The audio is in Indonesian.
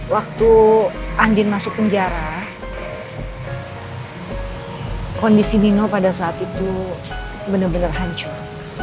waktu andin masuk penjara kondisi nino pada saat itu benar benar hancur